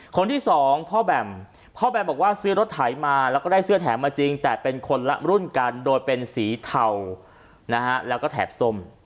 คนที่สองพ่อแบมพ่อแบมบอกว่าซื้อรถไถมาแล้วก็ได้เสื้อแถมมาจริงแต่เป็นคนละรุ่นกันโดยเป็นสีเทานะฮะแล้วก็แถบส้ม